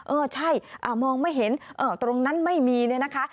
เออใช่มองไม่เห็นตรงนั้นไม่มีเนี่ยนะคะ